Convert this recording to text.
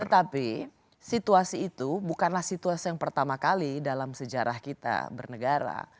tetapi situasi itu bukanlah situasi yang pertama kali dalam sejarah kita bernegara